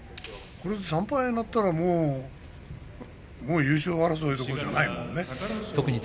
これが３敗になったらもう優勝争いどころではないものね。